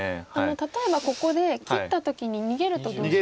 例えばここで切った時に逃げるとどうしますか？